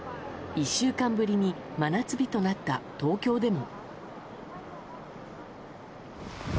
１週間ぶりに真夏日となった東京でも。